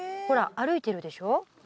ほら歩いてるでしょ